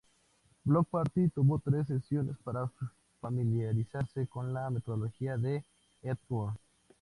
Bloc Party tomó tres sesiones para familiarizarse con la metodología de Epworth.